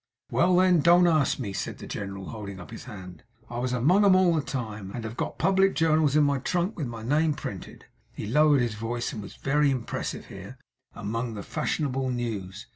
'Well, then, don't ask me,' said the general, holding up his hand. 'I was among 'em all the time, and have got public journals in my trunk with my name printed' he lowered his voice and was very impressive here 'among the fashionable news.